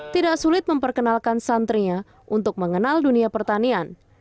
tidak sulit memperkenalkan santrinya untuk mengenal dunia pertanian